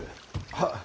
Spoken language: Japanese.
はっ。